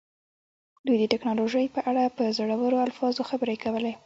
دوی د ټیکنالوژۍ په اړه په زړورو الفاظو خبرې کولې